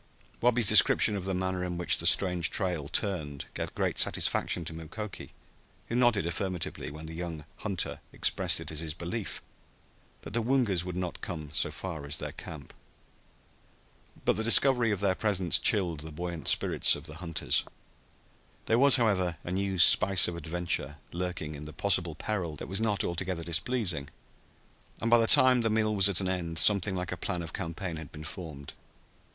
Wabi's description of the manner in which the strange trail turned gave great satisfaction to Mukoki, who nodded affirmatively when the young hunter expressed it as his belief that the Woongas would not come so far as their camp. But the discovery of their presence chilled the buoyant spirits of the hunters. There was, however, a new spice of adventure lurking in this possible peril that was not altogether displeasing, and by the time the meal was at an end something like a plan of campaign had been formed.